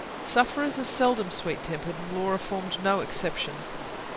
Sufferers are seldom sweet tempered; and Laura formed no exception.